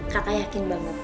kakak yakin banget